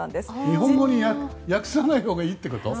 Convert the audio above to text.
日本語に訳さないほうがいいってこと？